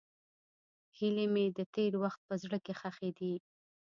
هیلې مې د تېر وخت په زړه کې ښخې دي.